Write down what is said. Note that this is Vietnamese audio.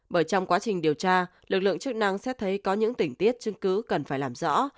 bởi trong quá trình điều tra lực lượng chức năng xét thấy có những tỉnh tiết chứng cứ cần phải làm rõ